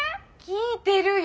聞いてるよ！